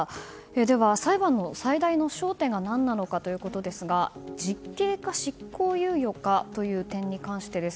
では、裁判の最大の焦点が何なのかということですが実刑か、執行猶予かという点に関してです。